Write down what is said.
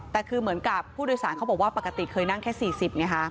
แต่คือเหมือนกับผู้โดยสารเขาบอกว่าปกติเคยนั่งแค่๔๐ไงฮะ